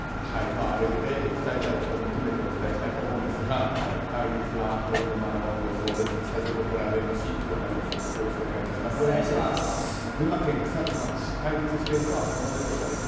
あれで訴えたいことも含めてお伝えしたいと思いますが対立は泥沼の様相です。